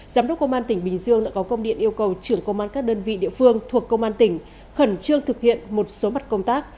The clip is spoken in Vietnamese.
giám đốc công an tỉnh bình dương đã có công điện yêu cầu trưởng công an các đơn vị địa phương thuộc công an tỉnh khẩn trương thực hiện một số mặt công tác